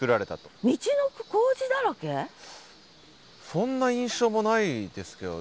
そんな印象もないですけど。